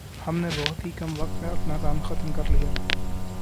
ھم نے بہت ہی کم وقت میں اپنا کام ختم کرلیا